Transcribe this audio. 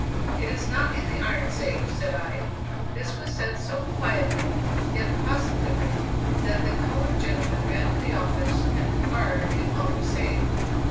"It is not in the iron safe!" said I. This was said so quietly, yet positively, that the colored gentleman ran to the office, and inquired if all was safe.